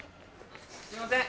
すいません。